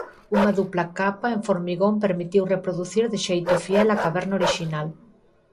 Unha dupla capa en formigón permitiu reproducir de xeito fiel a caverna orixinal.